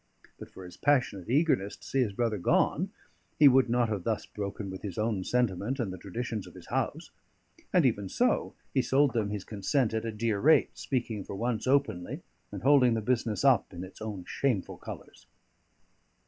But for his passionate eagerness to see his brother gone, he would not thus have broken with his own sentiment and the traditions of his house. And even so, he sold them his consent at a dear rate, speaking for once openly, and holding the business up in its own shameful colours.